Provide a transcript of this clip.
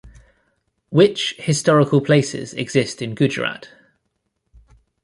Which historical places exist in Gujarat?